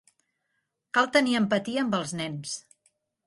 Cal tenir empatia amb els nens.